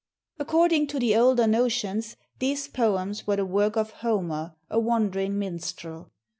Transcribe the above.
According to the older notions, these poems were the work of Homer, a wandering minstrel.